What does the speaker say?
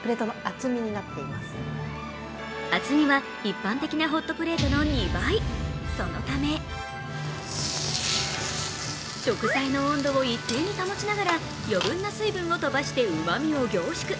厚みは一般的なホットプレートの２倍、そのため食材の温度を一定に保ちながら、余分な水分を飛ばしてうまみを凝縮。